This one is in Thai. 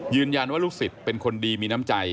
ยืนยันว่าลูกศิษย์เป็นคนดีมีน้ำใจ